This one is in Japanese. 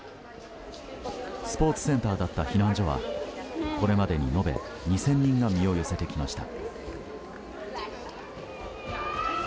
スポーツセンターだった避難所はこれまでに延べ２０００人が身を寄せてきました。